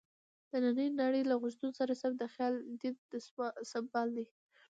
د نننۍ نړۍ له غوښتنو سره سم خپل دین سمبال کړي.